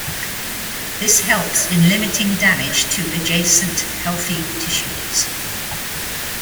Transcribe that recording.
This helps in limiting damage to adjacent healthy tissues.